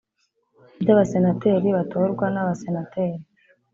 By’abasenateri batorwa n’Abasenateri